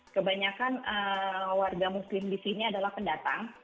kebanyakan warga muslim di sini adalah pendatang